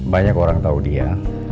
banyak orang tau dia